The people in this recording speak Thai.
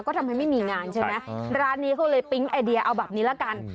ก็ทำให้ไม่มีงานใช่ไหมร้านนี้เขาเลยปิ๊งไอเดียเอาแบบนี้ละกัน